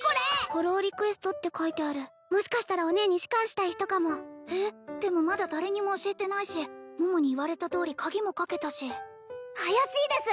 フォローリクエストって書いてあるもしかしたらお姉に仕官したい人かもえっでもまだ誰にも教えてないし桃に言われたとおり鍵もかけたし怪しいです